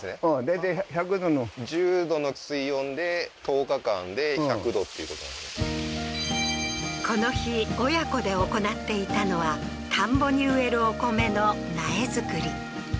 大体１００℃の１０℃の水温で１０日間で１００℃っていうことなんだこの日親子で行っていたのは田んぼに植えるお米の苗作り